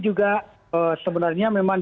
juga sebenarnya memang